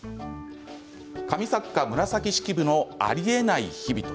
「神作家・紫式部のありえない日々」。